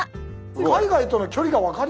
海外との距離が分かりますね。